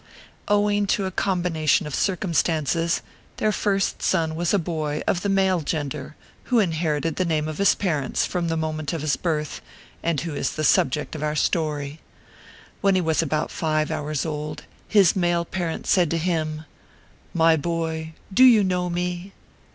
Owing to a combination of circumstances, their first son was a boy of the male gender, who inherited the name of his parents from the moment of his birth, and who is the subject of our story. When he was about five hours old, his male parent said to him :" My boy, do you know me